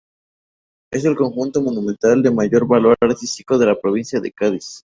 Es el conjunto monumental de mayor valor artístico de la provincia de Cádiz.